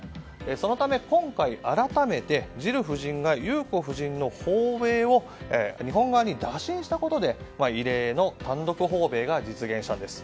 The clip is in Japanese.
そのため今回改めてジル夫人が裕子夫人の訪米を日本側に打診したことで異例の単独訪米が実現したんです。